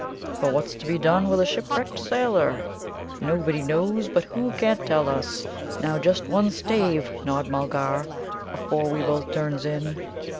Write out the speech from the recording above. "'But what's to be done with a shipwrecked sailor?' Nobody knows, but who can't tell us. Now, just one stave, Nod Mulgar, afore we both turns in.